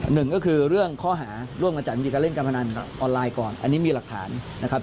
หนึ่งก็คือเรื่องข้อหาร่วมกันจัดมีการเล่นการพนันออนไลน์ก่อนอันนี้มีหลักฐานนะครับ